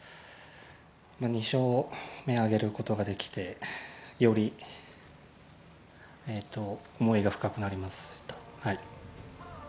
２勝目を挙げることができて、より思いが深くなります。